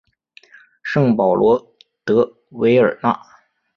圣保罗德韦尔讷。